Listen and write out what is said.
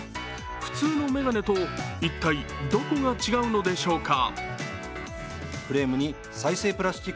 普通の眼鏡と一体どこが違うのでしょうか。